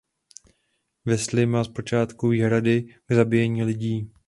Wesley má zpočátku výhrady k zabíjení lidí.